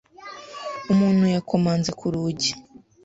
Umuntu yakomanze ku rugi.